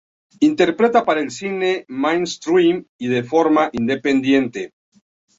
Interpreta para el cine mainstream y de forma independiente.